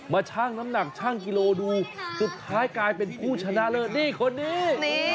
ช่างน้ำหนักช่างกิโลดูสุดท้ายกลายเป็นผู้ชนะเลิศนี่คนนี้